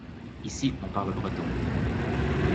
Ici on parle breton.